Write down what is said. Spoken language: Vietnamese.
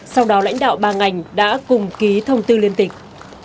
sau đó lãnh đạo ba ngành đã cùng ký thông tư liên tịch